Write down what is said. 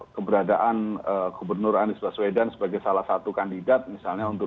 keberadaan gubernur anies baswedan sebagai salah satu kandidat misalnya untuk dua ribu dua puluh empat